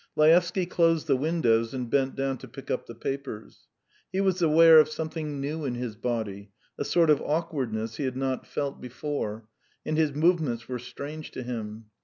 Laevsky closed the windows and bent down to pick up the papers. He was aware of something new in his body, a sort of awkwardness he had not felt before, and his movements were strange to him.